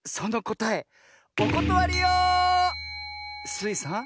スイさん